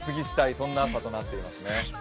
そんな朝となっていますね。